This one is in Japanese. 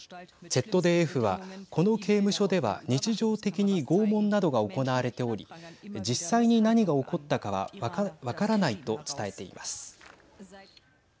ＺＤＦは、この刑務所では日常的に拷問などが行われており実際に何が起こったかは分からないと伝えています。